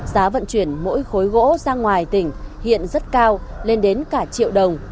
giá vận chuyển mỗi khối gỗ ra ngoài tỉnh hiện rất cao lên đến cả triệu đồng